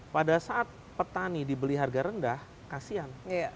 pada saat petani dibeli harga rendah kasian